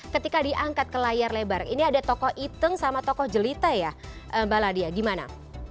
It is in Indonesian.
ketika diangkat ke layar lebar ini ada tokoh iteng sama tokoh jelita ya mbak ladia gimana